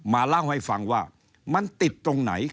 มาเล่าให้ฟังว่ามันติดตรงไหน